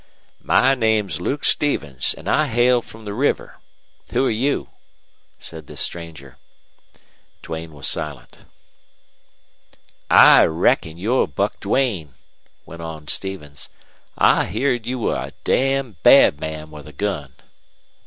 "My name's Luke Stevens, an' I hail from the river. Who're you?" said this stranger. Duane was silent. "I reckon you're Buck Duane," went on Stevens. "I heerd you was a damn bad man with a gun."